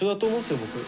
僕。